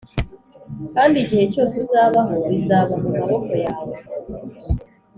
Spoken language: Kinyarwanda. kandi igihe cyose uzabaho bizaba mumaboko yawe